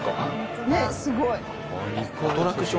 ねっすごい。